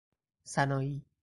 سنایی